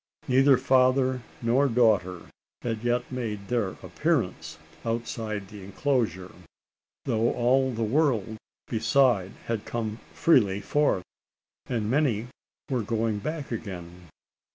Neither father nor daughter had yet made their appearance outside the enclosure: though all the world beside had come freely forth, and many were going back again.